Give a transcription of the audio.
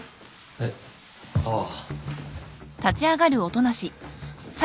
えっ？ああ。